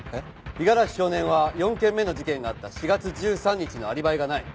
五十嵐少年は４件目の事件があった４月１３日のアリバイがない。